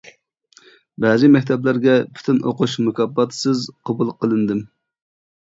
بەزى مەكتەپلەرگە پۈتۈن ئوقۇش مۇكاپاتسىز قوبۇل قىلىندىم.